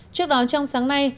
trước đó trong sáng nay